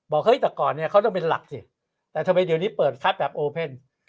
เฮ้ยแต่ก่อนเนี่ยเขาต้องเป็นหลักสิแต่ทำไมเดี๋ยวนี้เปิดคัดแบบโอเพ่น